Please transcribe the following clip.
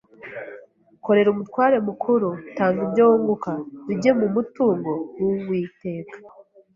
korera Umutware mukuru; tanga ibyo wunguka bijye mu mutungo w’Uwiteka.